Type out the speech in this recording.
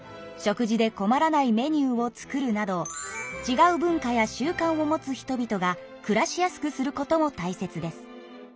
食事でこまらないメニューを作るなどちがう文化や習慣を持つ人々が暮らしやすくすることも大切です。